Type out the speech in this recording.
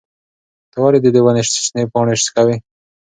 ته ولې د دې ونې شنې پاڼې شوکوې؟